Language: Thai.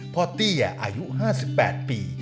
เตี้ยอายุ๕๘ปี